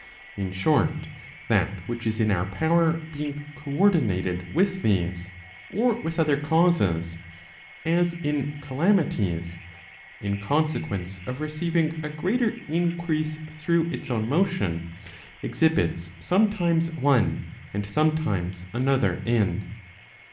In short, that which is in our power being co ordinated with these, or with other causes, as in calamities, in consequence of receiving a greater increase through its own motion, exhibits sometimes one, and sometimes another end.